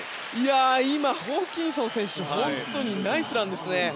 今、ホーキンソン選手が本当にナイスランですね。